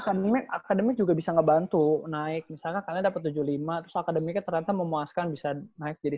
akademik akademik juga bisa ngebantu naik misalkan kalian dapat tujuh puluh lima terus akademiknya ternyata memuaskan bisa naik jadi